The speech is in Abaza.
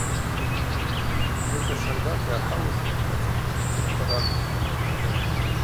Рыцӏа щардата йгӏахӏауыз ацӏыкв тшыт-тшытква ракӏвпӏ.